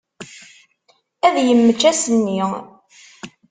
Ad immečč ass-nni.